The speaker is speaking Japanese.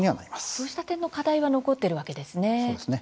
こうした点の課題は残っているわけですね。